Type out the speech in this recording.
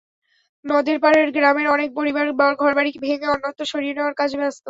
নদের পাড়ের গ্রামের অনেক পরিবার ঘরবাড়ি ভেঙে অন্যত্র সরিয়ে নেওয়ার কাজে ব্যস্ত।